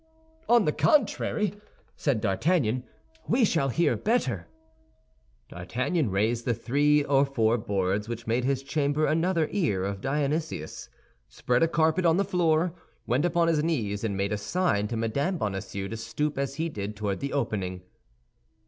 "On the contrary," said D'Artagnan, "we shall hear better." D'Artagnan raised the three or four boards which made his chamber another ear of Dionysius, spread a carpet on the floor, went upon his knees, and made a sign to Mme. Bonacieux to stoop as he did toward the opening.